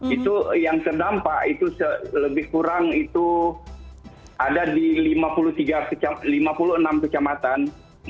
itu yang terdampak itu lebih kurang itu ada di lima puluh enam kecamatan